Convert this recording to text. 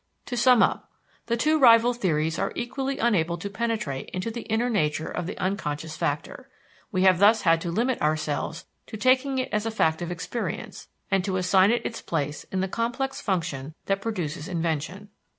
To sum up: The two rival theories are equally unable to penetrate into the inner nature of the unconscious factor. We have thus had to limit ourselves to taking it as a fact of experience and to assign it its place in the complex function that produces invention.